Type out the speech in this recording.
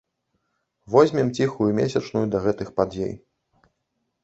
Возьмем ціхую месячную да гэтых падзей.